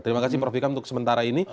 terima kasih prof vikam untuk sementara ini